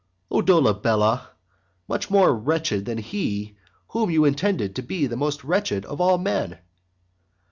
IV. O Dolabella, much more wretched than he whom you intended to be the most wretched of all men!